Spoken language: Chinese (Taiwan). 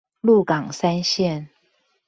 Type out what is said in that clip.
鹿港三線